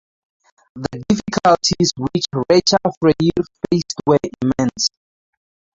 The difficulties which Recha Freier faced were immense.